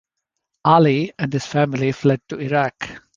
Ali and his family fled to Iraq.